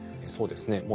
そうですね。